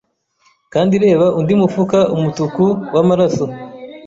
Kandi reba undi mufuka umutuku wamaraso